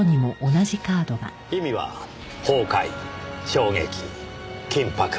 意味は崩壊衝撃緊迫。